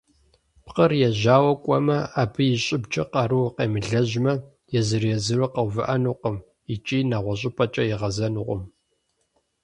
Пкъыр ежьауэ кӏуэмэ, абы и щӏыбкӏэ къару къемылэжьмэ, езыр-езыру къэувыӏэнукъым икӏи нэгъуэщӏыпӏэкӏэ игъэзэнукъым.